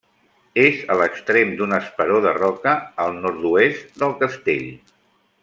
És a l'extrem d'un esperó de roca, al nord-oest del castell.